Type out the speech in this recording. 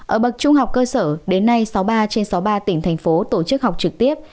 ở bậc trung học cơ sở đến nay sáu mươi ba trên sáu mươi ba tỉnh thành phố tổ chức học trực tiếp